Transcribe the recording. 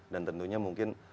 dan tentunya mungkin